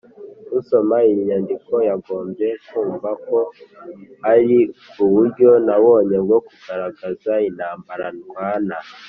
usoma iyi nyandiko yagombye kumva ko ari uburyo nabonye bwo kugaragaza intambara ndwana